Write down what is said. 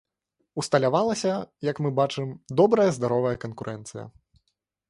Усталявалася, як мы бачым, добрая здаровая канкурэнцыя.